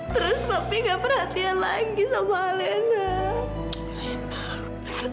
terus papi gak perhatian lagi sama alina